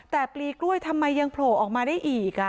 แต่ปลีกล้วยทำไมยังโผล่ออกมาได้อีก